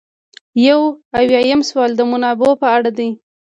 یو اویایم سوال د منابعو په اړه دی.